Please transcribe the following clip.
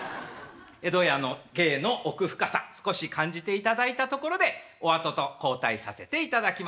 江戸家の芸の奥深さ少し感じていただいたところでお後と交代させていただきます。